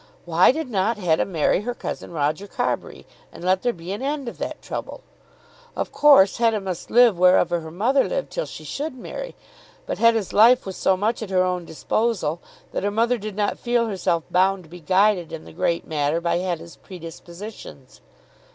Why did not Hetta marry her cousin Roger Carbury and let there be an end of that trouble? Of course Hetta must live wherever her mother lived till she should marry; but Hetta's life was so much at her own disposal that her mother did not feel herself bound to be guided in the great matter by Hetta's predispositions.